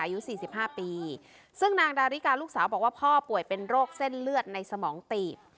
อายุ๔๕ปีซึ่งนางดาริกาลูกสาวบอกว่าพ่อป่วยเป็นโรคเส้นเลือดในสมองตีบ